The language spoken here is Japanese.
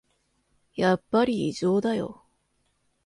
やっぱり異常だよ